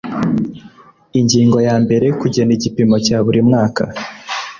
ingingo ya mbere kugena igipimo cya buri mwaka